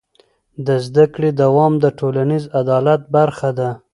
د زده کړې دوام د ټولنیز عدالت برخه ده.